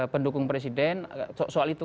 pendukung presiden soal itu